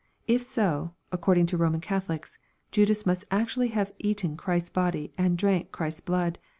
If so, according to Roman Catholics, Judas must actually have eaten Christ's body, and drank Christ's blood